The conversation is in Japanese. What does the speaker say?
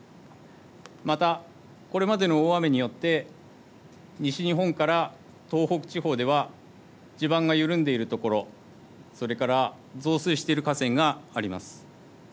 また、これまでの大雨によって西日本から東北地方では地盤が緩んでいるところ、それから増水している河川があります。